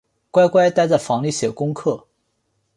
乖乖待在房里写功课